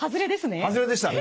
外れですね。